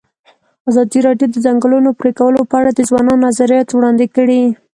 ازادي راډیو د د ځنګلونو پرېکول په اړه د ځوانانو نظریات وړاندې کړي.